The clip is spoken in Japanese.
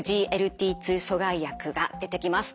２阻害薬が出てきます。